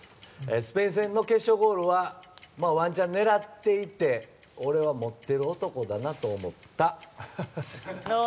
スペイン戦の決勝ゴールはワンチャン狙っていって俺は持っている男だなと思った。